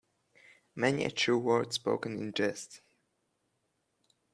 Many a true word spoken in jest.